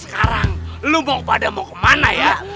sekarang lu mau ke padang mau kemana ya